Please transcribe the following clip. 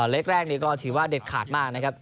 เลขแรกนี้ก็ถือว่าเด็ดขาดมากนะครับ